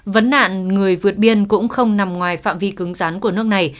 vấn nạn người vượt biên cũng không nằm ngoài phạm vi cứng rắn của nước này